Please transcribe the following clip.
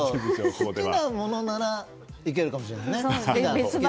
好きなものならいけるかもしれない。